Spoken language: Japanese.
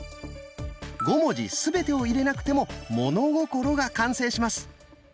５文字すべてを入れなくても「物心」が完成します。